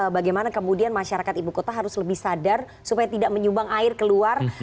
bagaimana kemudian masyarakat ibu kota harus lebih sadar supaya tidak menyumbang air keluar